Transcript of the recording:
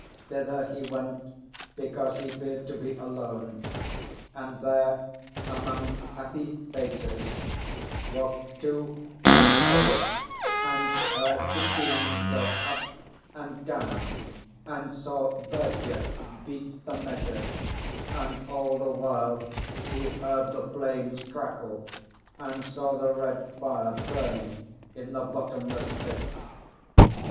Thither he went, because he feared to be alone; and there, among happy faces, walked to and fro, and heard the tunes go up and down, and saw Berger beat the measure, and all the while he heard the flames crackle, and saw the red fire burning in the bottomless pit.